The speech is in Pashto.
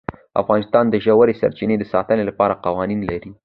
افغانستان د ژورې سرچینې د ساتنې لپاره قوانین لري.